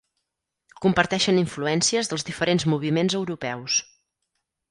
Comparteixen influències dels diferents moviments europeus.